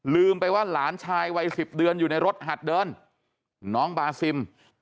ลืมไปว่าหลานชายวัย๑๐เดือนอยู่ในรถหัดเดินน้องบาซิม